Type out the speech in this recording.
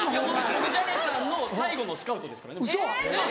僕ジャニーさんの最後のスカウトですから。